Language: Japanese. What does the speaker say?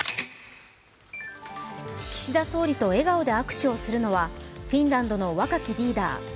岸田総理と笑顔で握手をするのはフィンランドの若きリーダー